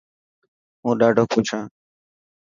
هون ڏاڌو خوش هان.